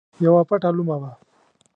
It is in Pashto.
یوه پټه لومه وه.